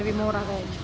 lebih murah kayaknya